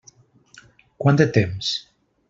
Quant de temps?